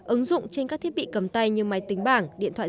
ứng dụng trên các thiết bị cầm tay như máy tính bảng điện thoại